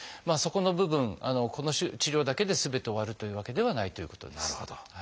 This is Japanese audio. そこの部分この治療だけですべて終わるというわけではないということです。